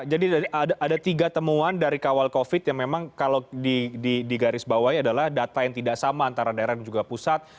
jadi ada tiga temuan dari kawal covid yang memang kalau digaris bawahnya adalah data yang tidak sama antara daerah yang juga pusat